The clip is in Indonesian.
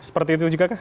seperti itu juga kah